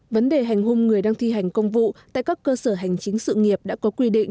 vấn đề hành hung người đang thi hành công vụ tại các cơ sở hành chính sự nghiệp đã có quy định